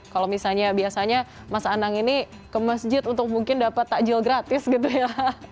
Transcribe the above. kalau misalnya biasanya mas anang ini ke masjid untuk mungkin dapat takjil gratis gitu ya